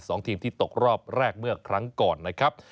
สองทีมที่ตกรอบแรกเมื่อครั้งก่อนนะครับ